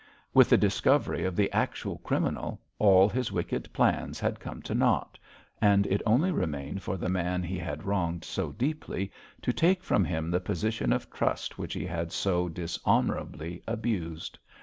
With the discovery of the actual criminal all his wicked plans had come to naught; and it only remained for the man he had wronged so deeply to take from him the position of trust which he had so dishonourably abused.